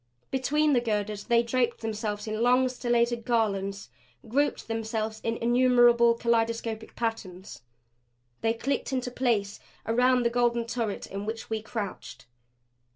Between the girders they draped themselves in long, stellated garlands; grouped themselves in innumerable, kaleidoscopic patterns. They clicked into place around the golden turret in which we crouched.